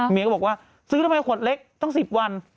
เมียก็บอกว่าซื้อทำไมขวดเล็กตั้ง๑๐วัน